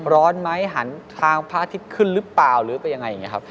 ร้อนไหมหันทางพระอาทิตย์ขึ้นหรือเปล่าหรือไปยังไงอย่างนี้ครับ